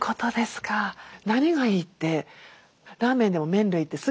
何がいいってラーメンでも分かります。